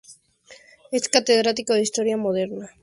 Es catedrático de Historia Moderna en la Universidad de Navarra.